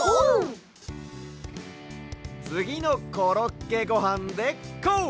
つぎの「コロッケごはん」でこう！